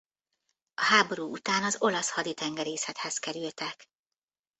A háború után az olasz haditengerészethez kerültek.